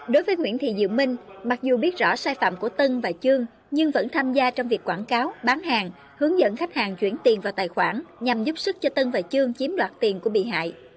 đối với nguyễn thị diệu minh mặc dù biết rõ sai phạm của tân và chương nhưng vẫn tham gia trong việc quảng cáo bán hàng hướng dẫn khách hàng chuyển tiền vào tài khoản nhằm giúp sức cho tân và chương chiếm đoạt tiền của bị hại